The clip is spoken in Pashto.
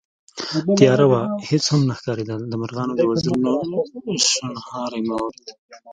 تياره وه، هېڅ هم نه ښکارېدل، د مرغانو د وزرونو شڼهاری مې واورېد